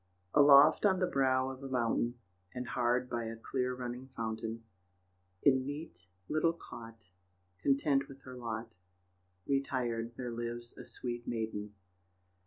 Aloft on the brow of a mountain, And hard by a clear running fountain, In neat little cot, Content with her lot, Retired, there lives a sweet maiden.